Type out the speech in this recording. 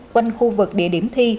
quanh khu vực địa điểm thi